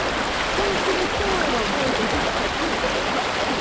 そうするとこういうところがきれいなのね。